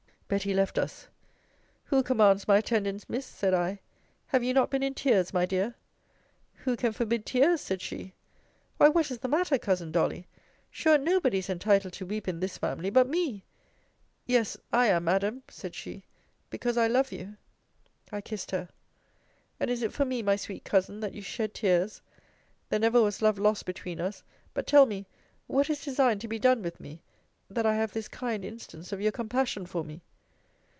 Betty left us. Who commands my attendance, Miss? said I Have you not been in tears, my dear? Who can forbid tears? said she. Why, what is the matter, cousin Dolly? Sure, nobody is entitled to weep in this family, but me! Yes, I am, Madam, said she, because I love you. I kissed her: And is it for me, my sweet Cousin, that you shed tears? There never was love lost between us: but tell me, what is designed to be done with me, that I have this kind instance of your compassion for me?